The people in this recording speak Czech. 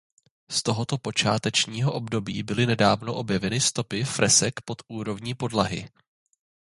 Z tohoto počátečního období byly nedávno objeveny stopy fresek pod úrovní podlahy.